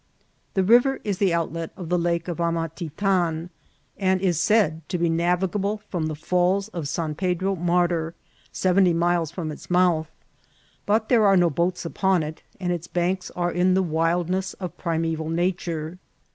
The river is the out let of the Lake of Amatitan, and is said to be navigable from the Falls of San Pedro Martyr, seventy miles from its mouth ; but there are no boats upon it, and its banks are in the wildness of primeval nature.